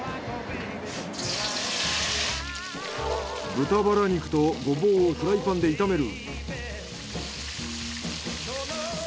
豚バラ肉とゴボウをフライパンで炒める。